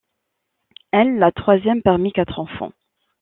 Elle la troisième parmi quatre enfants.